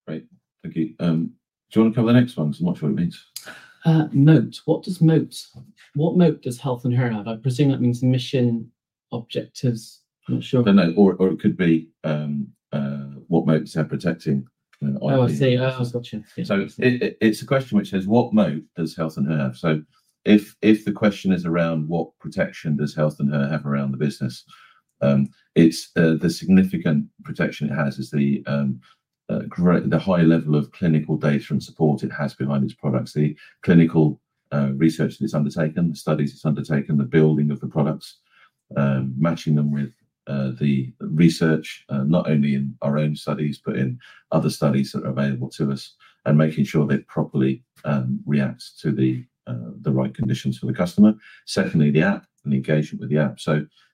Great. Thank you. Do you want to cover the next one? There's not sure what it means. Moat. What does Moat does Health & Her have? I presume that means mission objectives. I'm not sure. No, no. Or it could be what Moat is protecting. Oh, I see. I've got you. So it's a question which says, what Moat does Health & Her have? If the question is around what protection does Health & Her have around the business, the significant protection it has is the high level of clinical data and support it has behind its products, the clinical research that is undertaken, the studies it's undertaken, the building of the products, matching them with the research, not only in our own studies, but in other studies that are available to us, and making sure they properly react to the right conditions for the customer. Secondly, the app and the engagement with the app.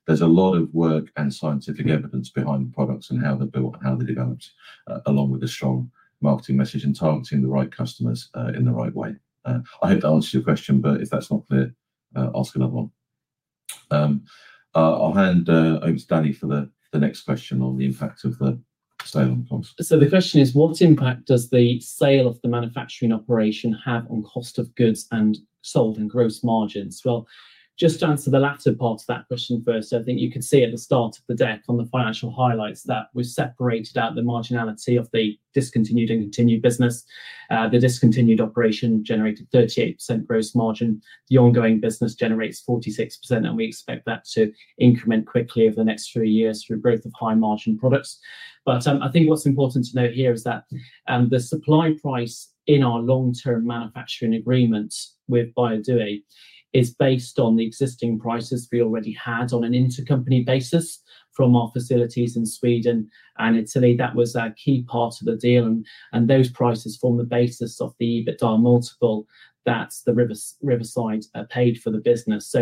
There's a lot of work and scientific evidence behind the products and how they're built and how they're developed, along with a strong marketing message and targeting the right customers in the right way. I hope that answers your question, but if that's not clear, ask another one. I'll hand over to Danny for the next question on the impact of the sale on the comms. The question is, what impact does the sale of the manufacturing operation have on cost of goods and sold and gross margins? Just to answer the latter part of that question first, I think you can see at the start of the deck on the financial highlights that we separated out the marginality of the discontinued and continued business. The discontinued operation generated 38% gross margin. The ongoing business generates 46%, and we expect that to increment quickly over the next few years through growth of high-margin products. I think what's important to note here is that the supply price in our long-term manufacturing agreement with Biokosmes is based on the existing prices we already had on an intercompany basis from our facilities in Sweden and Italy. That was a key part of the deal. Those prices form the basis of the EBITDA multiple that Riverside paid for the business.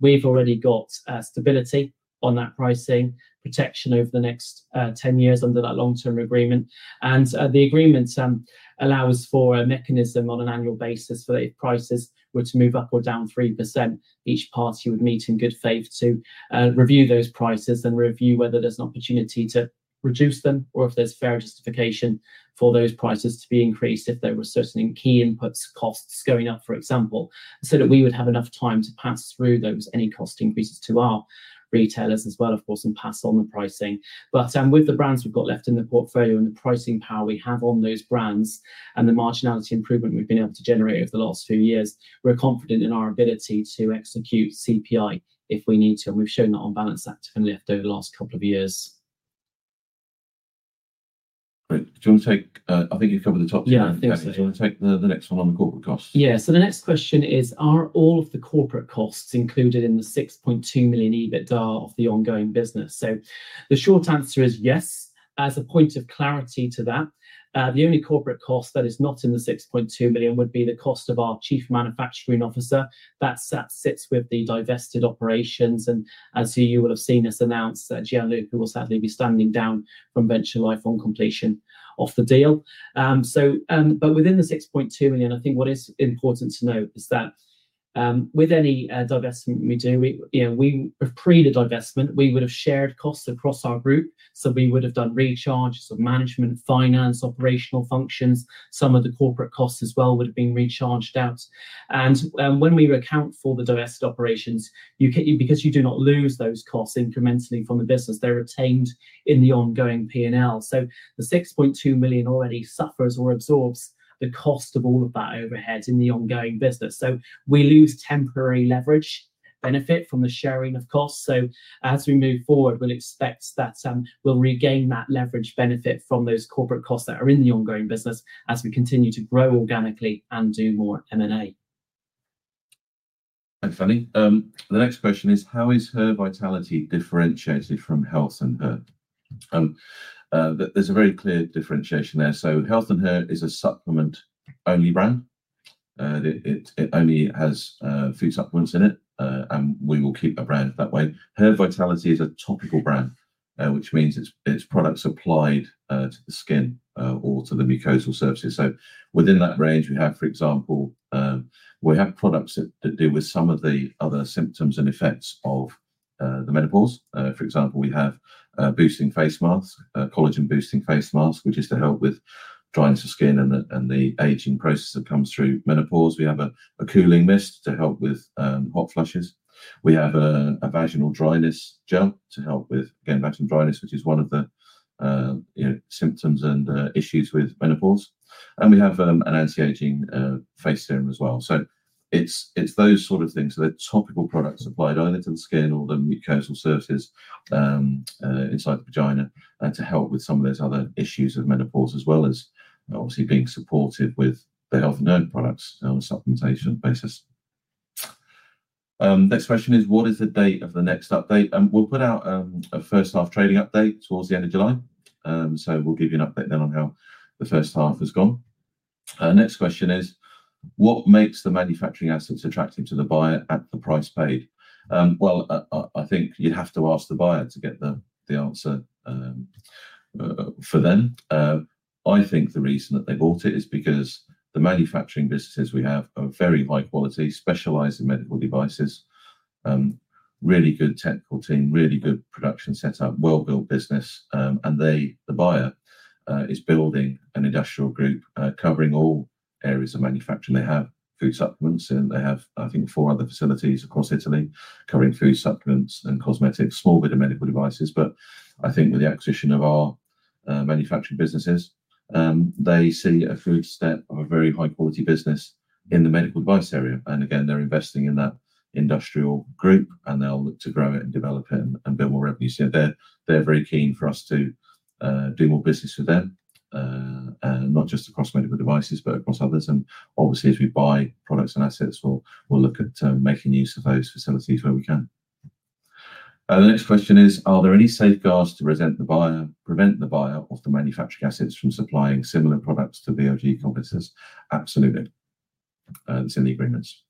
We have already got stability on that pricing, protection over the next 10 years under that long-term agreement. The agreement allows for a mechanism on an annual basis for the prices to move up or down 3%. Each party would meet in good faith to review those prices and review whether there is an opportunity to reduce them or if there is fair justification for those prices to be increased if there were certain key input costs going up, for example, so that we would have enough time to pass through any cost increases to our retailers as well, of course, and pass on the pricing. With the brands we've got left in the portfolio and the pricing power we have on those brands and the marginality improvement we've been able to generate over the last few years, we're confident in our ability to execute CPI if we need to. We've shown that on Balance Activ over the last couple of years. Do you want to take—I think you've covered the top two. Yeah, thanks. Do you want to take the next one on the corporate costs? Yeah. The next question is, are all of the corporate costs included in the 6.2 million EBITDA of the ongoing business? The short answer is yes. As a point of clarity to that, the only corporate cost that is not in the 6.2 million would be the cost of our Chief Manufacturing Officer that sits with the divested operations. As you will have seen us announce, Gianluca will sadly be standing down from Venture Life on completion of the deal. Within the 6.2 million, I think what is important to note is that with any divestment we do, pre-divestment, we would have shared costs across our group. We would have done recharges of management, finance, operational functions. Some of the corporate costs as well would have been recharged out. When we account for the divested operations, because you do not lose those costs incrementally from the business, they are retained in the ongoing P&L. The 6.2 million already suffers or absorbs the cost of all of that overhead in the ongoing business. We lose temporary leverage benefit from the sharing of costs. As we move forward, we'll expect that we'll regain that leverage benefit from those corporate costs that are in the ongoing business as we continue to grow organically and do more M&A. Thanks, Danny. The next question is, how is Hervitality differentiated from Health & Her? There's a very clear differentiation there. Health & Her is a supplement-only brand. It only has food supplements in it, and we will keep a brand that way. Hervitality is a topical brand, which means it's products applied to the skin or to the mucosal surfaces. Within that range, for example, we have products that deal with some of the other symptoms and effects of the menopause. For example, we have boosting face masks, collagen-boosting face masks, which is to help with dryness of skin and the aging process that comes through menopause. We have a cooling mist to help with hot flushes. We have a vaginal dryness gel to help with, again, vaginal dryness, which is one of the symptoms and issues with menopause. We have an anti-aging face serum as well. It is those sort of things. They are topical products applied either to the skin or the mucosal surfaces inside the vagina to help with some of those other issues of menopause, as well as obviously being supported with the Health & Her products on a supplementation basis. Next question is, what is the date of the next update? We will put out a first-half trading update towards the end of July. We will give you an update then on how the first half has gone. Next question is, what makes the manufacturing assets attractive to the buyer at the price paid? I think you'd have to ask the buyer to get the answer for them. I think the reason that they bought it is because the manufacturing businesses we have are very high-quality, specialized in medical devices, really good technical team, really good production setup, well-built business. The buyer is building an industrial group covering all areas of manufacturing. They have food supplements, and they have, I think, four other facilities across Italy covering food supplements and cosmetics, a small bit of medical devices. I think with the acquisition of our manufacturing businesses, they see a food step of a very high-quality business in the medical device area. Again, they're investing in that industrial group, and they'll look to grow it and develop it and build more revenues. They're very keen for us to do more business with them, not just across medical devices, but across others. Obviously, as we buy products and assets, we'll look at making use of those facilities where we can. The next question is, are there any safeguards to prevent the buyer of the manufacturing assets from supplying similar products to VLG competitors? Absolutely. It's in the agreements.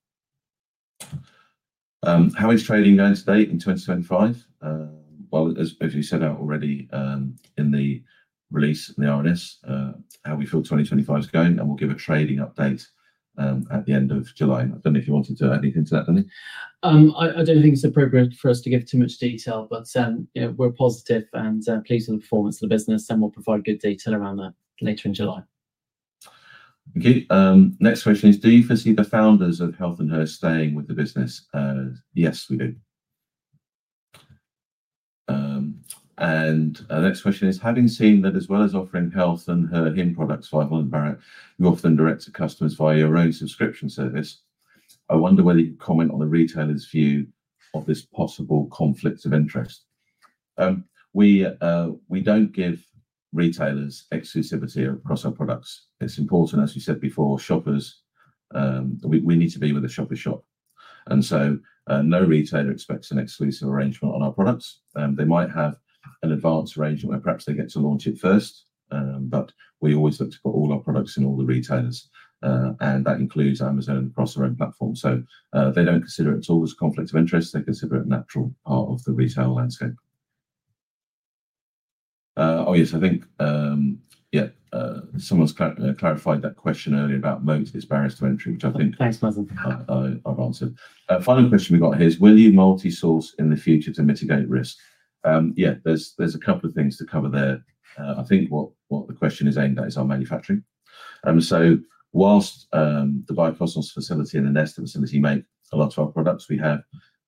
How is trading going today in 2025? As we said already in the release in the RNS, how we feel 2025 is going, and we'll give a trading update at the end of July. I don't know if you wanted to add anything to that, Danny. I don't think it's appropriate for us to give too much detail, but we're positive and pleased with the performance of the business, and we'll provide good detail around that later in July. Thank you. Next question is, do you foresee the founders of Health & Her staying with the business? Yes, we do. The next question is, having seen that as well as offering Health & Her/Him products via Holland & Barrett, you often direct to customers via your own subscription service. I wonder whether you could comment on the retailer's view of this possible conflict of interest. We do not give retailers exclusivity across our products. It is important, as you said before, shoppers. We need to be where shoppers shop. No retailer expects an exclusive arrangement on our products. They might have an advanced arrangement where perhaps they get to launch it first, but we always look to put all our products in all the retailers. That includes Amazon across our own platform. They do not consider it at all as a conflict of interest. They consider it a natural part of the retail landscape. Oh, yes. I think, yeah, someone's clarified that question earlier about moats, disparities to entry, which I think. Thanks, Melvin. I've answered. Final question we've got here is, will you multi-source in the future to mitigate risk? Yeah, there's a couple of things to cover there. I think what the question is aimed at is our manufacturing. So whilst the Biokosmes facility and the Gnesta facility make a lot of our products, we have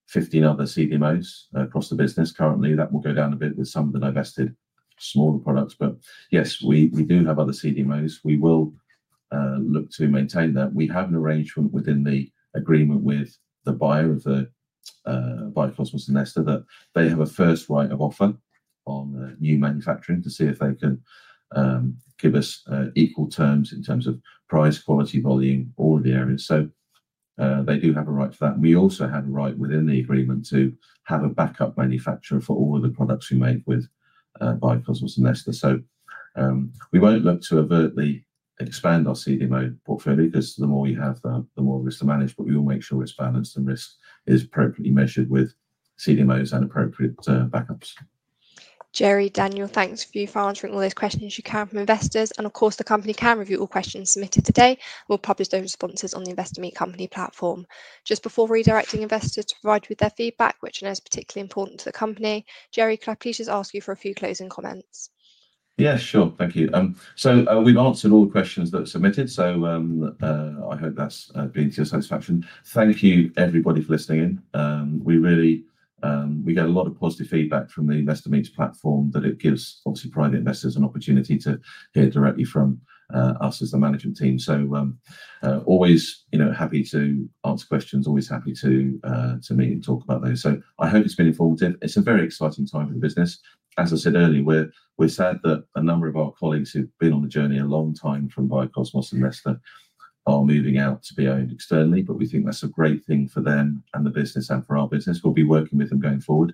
15 other CDMOs across the business currently. That will go down a bit with some of the divested smaller products. Yes, we do have other CDMOs. We will look to maintain that. We have an arrangement within the agreement with the buyer of the Biokosmes and Gnesta that they have a first right of offer on new manufacturing to see if they can give us equal terms in terms of price, quality, volume, all of the areas. They do have a right to that. We also have a right within the agreement to have a backup manufacturer for all of the products we make with Biokosmes and Gnesta. We will not look to overtly expand our CDMO portfolio because the more you have, the more risk to manage. We will make sure it is balanced and risk is appropriately measured with CDMOs and appropriate backups. Jerry, Daniel, thank you for answering all those questions you can from investors. Of course, the company can review all questions submitted today and will publish those responses on the Investor Meet Company platform. Just before redirecting investors to provide you with their feedback, which I know is particularly important to the company, Jerry, could I please just ask you for a few closing comments? Yeah, sure. Thank you. We have answered all the questions that were submitted. I hope that's been to your satisfaction. Thank you, everybody, for listening in. We get a lot of positive feedback from the Investor Meet platform that it gives, obviously, private investors an opportunity to hear directly from us as the management team. Always happy to answer questions, always happy to meet and talk about those. I hope it's been informative. It's a very exciting time for the business. As I said earlier, we're sad that a number of our colleagues who've been on the journey a long time from Biokosmes and Gnesta are moving out to be owned externally, but we think that's a great thing for them and the business and for our business. We'll be working with them going forward.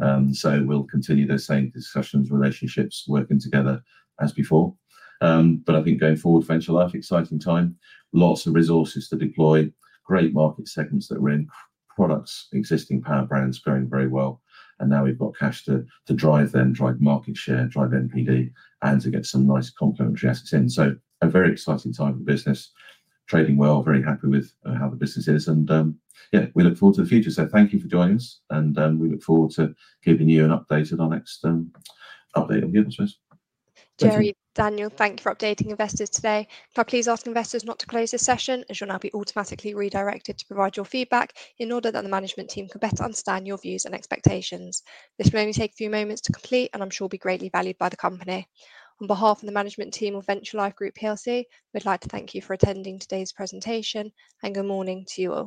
We'll continue those same discussions, relationships, working together as before. I think going forward, Venture Life, exciting time, lots of resources to deploy, great market segments that we're in, products, existing power brands going very well. Now we've got cash to drive them, drive market share, drive NPD, and to get some nice complementary assets in. A very exciting time for business, trading well, very happy with how the business is. Yeah, we look forward to the future. Thank you for joining us. We look forward to keeping you updated on our next update on the investors. Jerry, Daniel, thank you for updating investors today. Can I please ask investors not to close the session as you'll now be automatically redirected to provide your feedback in order that the management team can better understand your views and expectations. This may only take a few moments to complete, and I'm sure it will be greatly valued by the company. On behalf of the management team of Venture Life Group, we'd like to thank you for attending today's presentation. Good morning to you all.